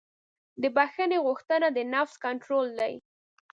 د بښنې غوښتنه د نفس کنټرول دی.